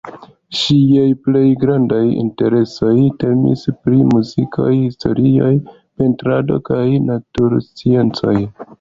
Ŝiaj plej grandaj interesoj temis pri muziko, historio, pentrado kaj natursciencoj.